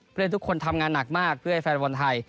เพื่อให้ทุกคนทำงานหนักมากเพื่อให้แฟนบอลไทย